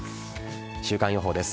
週間予報です。